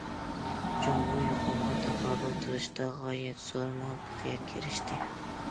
جۇڭگو يۇقۇمغا تاقابىل تۇرۇشتا غايەت زور مۇۋەپپەقىيەتكە ئېرىشتى.